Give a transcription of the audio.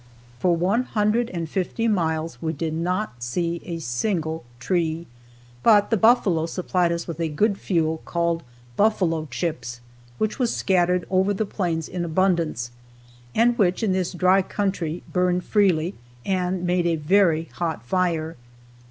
For one hundred and fifty miles we did not see a single tree, but the buffalo supplied us with a good fuel called "buffalo chips," which was scattered over the plains in abundance, and which in this dry country, burned freely and made a very hot fire.